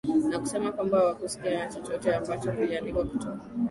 na kusema kwamba hawahusiki na chochote ambacho kiliandikwa kutoa